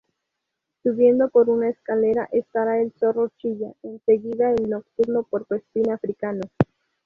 Subiendo por una escalera estará el zorro chilla, en seguida el nocturno puercoespín africano.